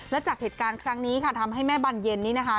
และจากเหตุการณ์ครั้งนี้ค่ะทำให้แม่บานเย็นนี้นะคะ